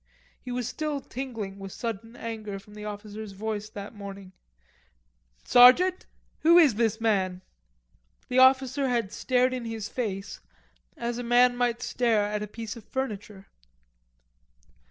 He was still tingling with sudden anger from the officer's voice that morning: "Sergeant, who is this man?" The officer had stared in his face, as a man might stare at a piece of furniture.